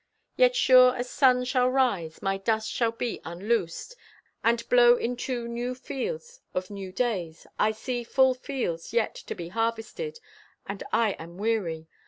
Yet sure as sun shall rise, my dust shall be unloosed, and blow into new fields of new days. I see full fields yet to be harvested, and I am weary.